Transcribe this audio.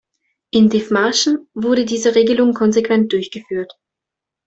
In Dithmarschen wurde diese Regelung konsequent durchgeführt.